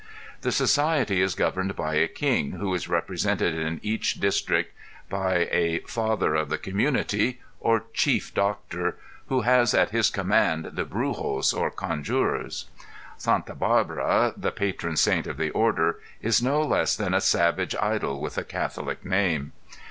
The Society is governed by a King, who is represented in each district by a "Father of the Community" or Chief Doctor, who has at his command the Brujos or Conjurors. Santa Baraba, the patron saint of the order is no less than a savage idol with a Catholic name.